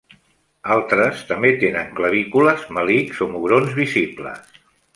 Altres també tenen clavícules, melics o mugrons visibles.